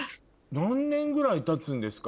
何年ぐらいたつんですか？